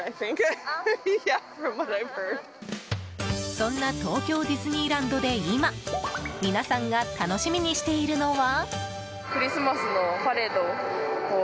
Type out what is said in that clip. そんな東京ディズニーランドで今、皆さんが楽しみにしているのは。